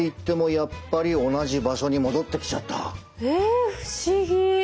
え不思議！